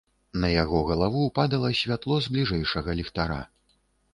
На яго галаву падала святло з бліжэйшага ліхтара.